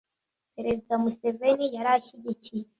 perezida museveni yari ashyigikiye